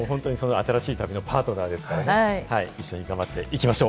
新しい旅のパートナーですから、一緒に頑張っていきましょう！